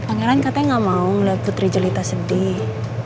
pangeran katanya gak mau ngeliat putri jelita sedih